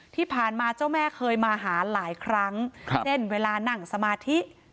ที่ผ่านมาเจ้าแม่เคยมาหาหลายครั้งเช่นเวลานั่งสมาธิ